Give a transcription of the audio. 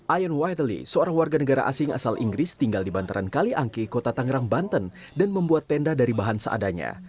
ayan waideli seorang warga negara asing asal inggris tinggal di bantaran kaliangke kota tangerang banten dan membuat tenda dari bahan seadanya